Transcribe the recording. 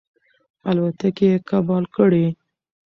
الوتکې یې کباړ کړې.